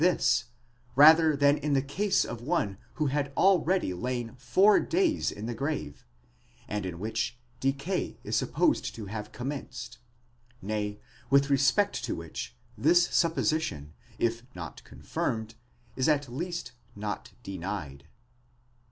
487 this, rather than in the case of one who had already lain four days in the grave, and in which decay is supposed to have commenced, nay, with respect to which, this supposition, if not confirmed, is at least not denied.